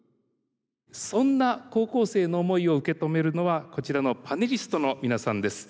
そんな高校生の思いを受け止めるのはこちらのパネリストの皆さんです。